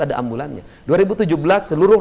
ada ambulannya dua ribu tujuh belas seluruh